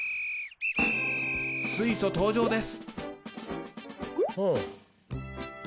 水素登場です。